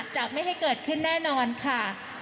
จะไม่ให้เกิดขึ้นแน่นอนค่ะ